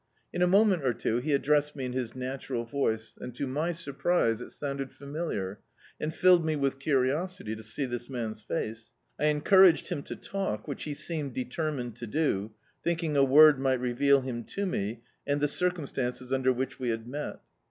In a moment or two he addressed me in his natural voice, and, to my surprise, it sounded familiar, and filled me with curiosity to see this man's face. I encouraged him to talk — which he seemed deter mined to do — thinking a word mi^t reveal him to me, and the circumstances under which we had met.